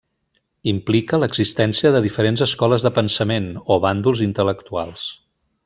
Implica l'existència de diferents escoles de pensament o bàndols intel·lectuals.